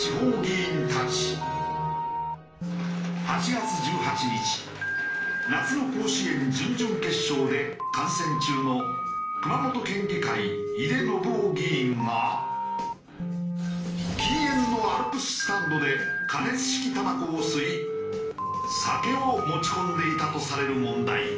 ８月１８日夏の甲子園準々決勝で観戦中の熊本県議会井手順雄議員が禁煙のアルプススタンドで加熱式タバコを吸い酒を持ち込んでいたとされる問題。